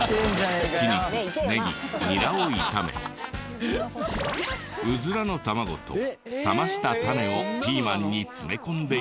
ひき肉ネギニラを炒めうずらの卵と冷ましたタネをピーマンに詰め込んでいく。